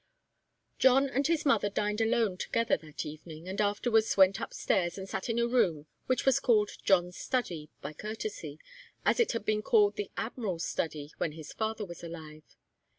John and his mother dined alone together that evening, and afterwards went upstairs and sat in a room which was called John's study, by courtesy, as it had been called the Admiral's study when his father was alive.